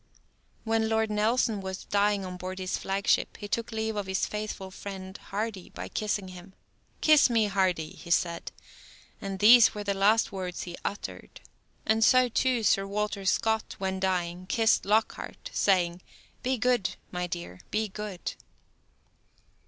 When Lord Nelson was dying on board his flagship, he took leave of his faithful friend, Hardy, by kissing him. "Kiss me, Hardy!" he said, and these were the last words he uttered. And so, too, Sir Walter Scott, when dying, kissed Lockhart, saying, "Be good, my dear! be good."